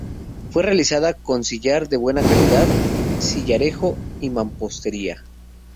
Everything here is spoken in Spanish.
Fue realizada con sillar de buena calidad, sillarejo y mampostería.